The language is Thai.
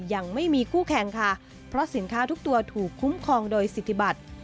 ยังไม่มีคู่แข่งค่ะเพราะสินค้าทุกตัวถูกคุ้มครองโดยสิทธิบัติ